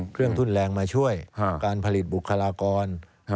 เครื่องทุนแรงมาช่วยการผลิตบุคลากร